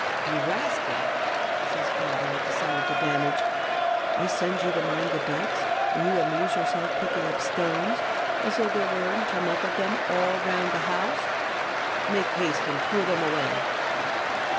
"You rascal!" says father, at sight of the damage. "I send you to mind the ducks and you amuse yourself picking up stones, as though there weren't enough of them all round the house! Make haste and throw them away!"